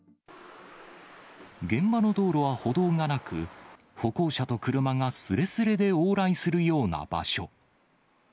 現場の道路は歩道がなく、歩行者と車がすれすれで往来するような場所。